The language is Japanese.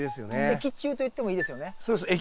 益虫といってもいいですよね。